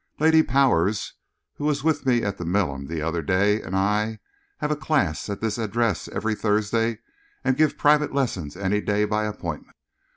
Lady Powers, who was with me at the Milan the other day, and I, have a class at this address every Thursday, and give private lessons any day by appointment.